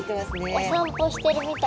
お散歩してるみたい。